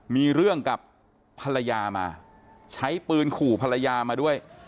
มีเรื่องกับภรรยามาใช้ปืนขู่ภรรยามาด้วย